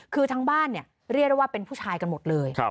คือทั้งบ้านเนี่ยเรียกได้ว่าเป็นผู้ชายกันหมดเลย